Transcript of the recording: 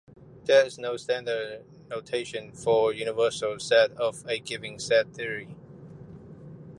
There is no standard notation for the universal set of a given set theory.